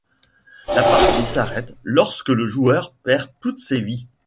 La partie s'arrête lorsque le joueur perd toutes ses vies.